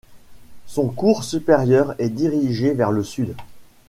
Son cours supérieur est dirigé vers le sud.